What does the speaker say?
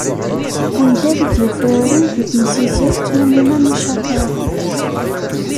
Ungal i d-yufraren deg temsizzelt Yamina Micakra.